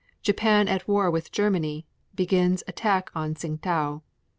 Japan at war with Germany. Begins attack on Tsingtau.